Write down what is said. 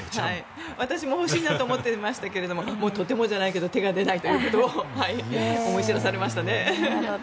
私も欲しいなと思ってましたけどとてもじゃないけど手が出ないというところを思い知らされましたね。